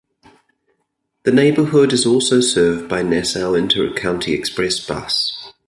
The neighborhood is also served by Nassau Inter-County Express bus.